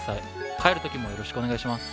帰る時もよろしくお願いします。